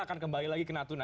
akan kembali lagi ke natuna